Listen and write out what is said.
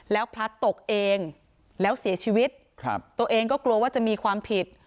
แล้วพลัดตกเองแล้วเสียชีวิตครับตัวเองก็กลัวว่าจะมีความผิด